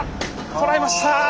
とらえました。